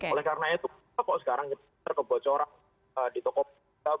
oleh karena itu kok sekarang kita terkebocoran di toko buka buka